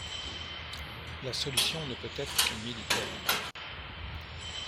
La solution ne peut être que militaire.